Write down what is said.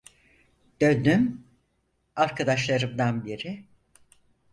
Döndüm: Arkadaşlarımdan biri.